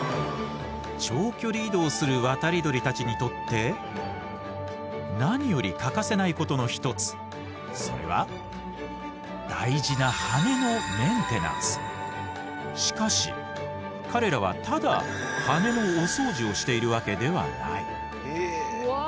長距離移動する渡り鳥たちにとって何より欠かせないことの一つそれはしかし彼らはただ羽のおそうじをしているわけではない。